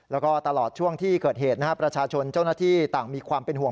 แล้วก็ตลอดช่วงที่เกิดเหตุนะครับประชาชนเจ้าหน้าที่ต่างมีความเป็นห่วง